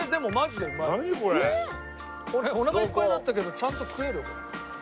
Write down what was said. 俺おなかいっぱいだったけどちゃんと食える。